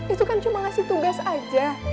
itu kan cuma ngasih tugas aja